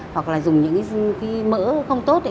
hoặc là dùng những mỡ không tốt